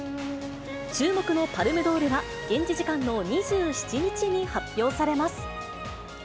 注目のパルムドールは、現地時間の２７日に発表されます。